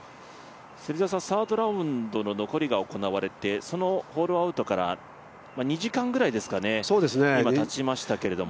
サードラウンドの残りが行われてそのホールアウトから２時間ぐらいですか、今たちましたけれども。